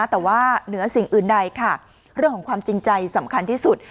แต่ว่าเหนือสิ่งอื่นใดค่ะเรื่องของความจริงใจสำคัญที่สุด